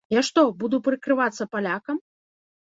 Я што, буду прыкрывацца палякам?